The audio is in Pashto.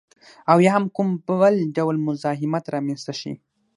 او یا هم کوم بل ډول مزاحمت رامنځته شي